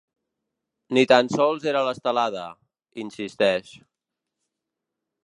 Ni tant sols era l’estelada, insisteix.